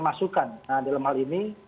masukan dalam hal ini